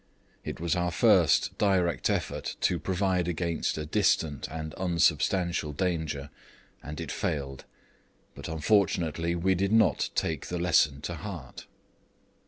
It was our first direct effort to provide against a distant and unsubstantial danger, and it failed; but unfortunately we did not take the lesson to heart.